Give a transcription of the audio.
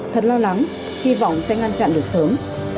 thật lo lắng hy vọng sẽ ngăn chặn được sớm